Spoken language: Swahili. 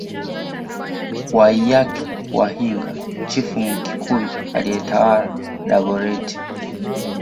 Waiyaki wa Hinga chifu Mkikuyu aliyetawala Dagoretti